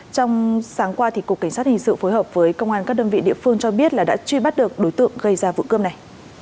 trong sáng qua cục cảnh sát hình sự phối hợp với công an các đơn vị địa phương cho biết là đã truy bắt được đối tượng gây ra vụ cướp này